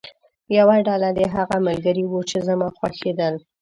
یوه ډله دې هغه ملګري وو چې زما خوښېدل.